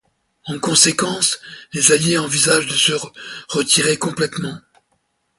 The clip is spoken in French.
En conséquence, les alliés envisagent de se retirer complètement.